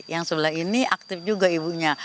yang sebelah ini aktif juga ibunya